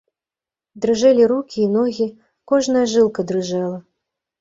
Дрыжэлі рукі і ногі, кожная жылка дрыжэла.